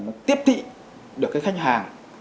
nó tiếp thị được cái khách hàng